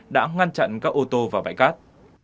đã ngăn chặn các ô tô và bãi cát